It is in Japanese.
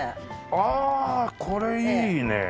ああこれいいね！